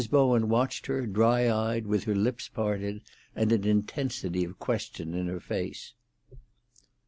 Bowen watched her, dry eyed, with her lips parted, and an intensity of question in her face.